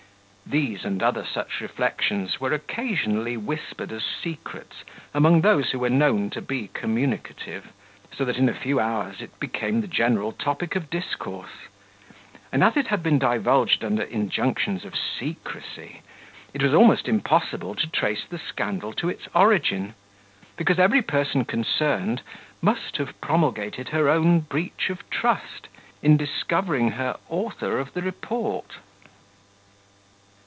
These and other such reflections were occasionally whispered as secrets among those who were known to be communicative; so that, in a few hours, it became the general topic of discourse; and, as it had been divulged under injunctions of secrecy, it was almost impossible to trace the scandal to its origin; because every person concerned must have promulgated her own breach of trust, in discovering her author of the report.